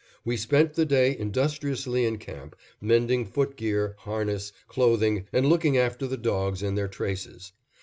We spent the day industriously in camp, mending foot gear, harness, clothing, and looking after the dogs and their traces.